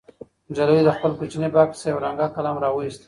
نجلۍ د خپل کوچني بکس څخه یو رنګه قلم راوویست.